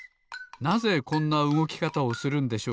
なぜこんなうごきかたをするんでしょうか？